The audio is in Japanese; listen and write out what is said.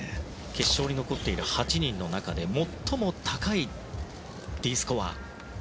決勝に残っている８人の中で最も高いＤスコア。